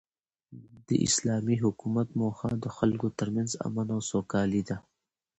د اسلامي حکومت موخه د خلکو تر منځ امن او سوکالي ده.